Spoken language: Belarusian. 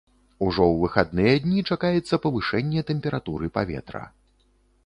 Ужо ў выхадныя дні чакаецца павышэнне тэмпературы паветра.